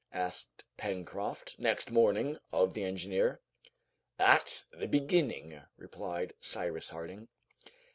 asked Pencroft next morning of the engineer. "At the beginning," replied Cyrus Harding.